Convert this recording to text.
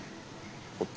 こっち。